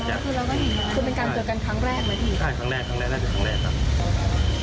ใช่ครั้งแรกน่าจะครั้งแรกครับ